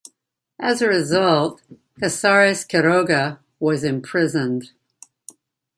As a result, Casares Quiroga was imprisoned.